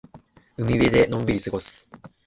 海辺でのんびり過ごす。